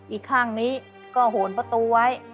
อีกข้างนี้ก็โหนประตูไว้